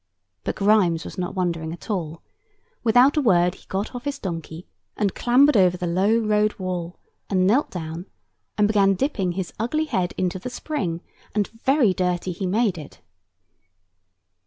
But Grimes was not wondering at all. Without a word, he got off his donkey, and clambered over the low road wall, and knelt down, and began dipping his ugly head into the spring—and very dirty he made it.